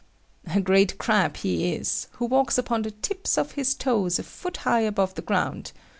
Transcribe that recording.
A great crab he is, who walks upon the tips of his toes a foot high above the ground.